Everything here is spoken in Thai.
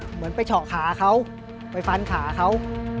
เหมือนไปเฉาะขาเขาไปฟันขาเขา